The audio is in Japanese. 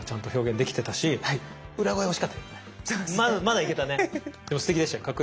でもすてきでしたよ。